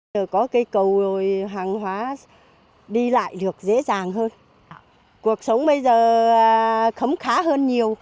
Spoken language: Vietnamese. giờ có cây cầu rồi hàng hóa đi lại được dễ dàng hơn cuộc sống bây giờ khấm khá hơn nhiều